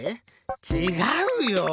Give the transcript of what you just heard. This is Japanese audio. ちがうよ！